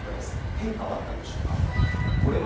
変化はあったんでしょうか。